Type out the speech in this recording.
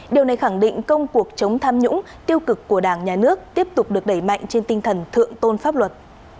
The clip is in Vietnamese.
điều này khẳng định công cuộc chống tham nhũng tiêu cực của đảng nhà nước tiếp tục được đẩy mạnh trên tinh thần thượng tôn pháp luật